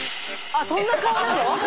あっそんな顔なの？